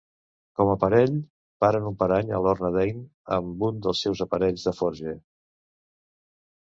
Com a parell, paren un parany a Lorna Dane amb un dels aparells de Forge.